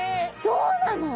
そうなの！？